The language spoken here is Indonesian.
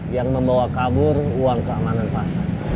yang membawa kabur uang keamanan pasar